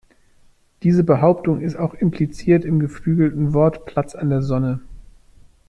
Diese Behauptung ist auch impliziert im geflügelten Wort Platz an der Sonne.